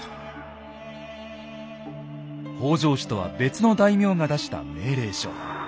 北条氏とは別の大名が出した命令書。